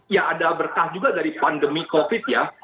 ya ada berkah juga dari pandemi covid ya